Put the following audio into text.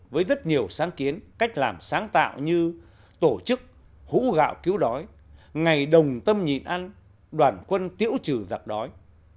với rất nhiều sáng kiến cách làm sáng tạo như tổ chức hú gạo cứu đói ngày đồng tâm nhịn ăn đoàn quân tễu trừ giặc đói